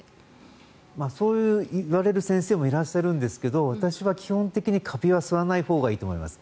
そう言われる先生もいますが私は基本的にカビは吸わないほうがいいと思います。